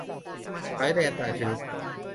สายแลนต่างชนิด